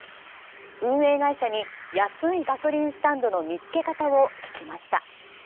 運営会社に、安いガソリンスタンドの見つけ方を聞きました。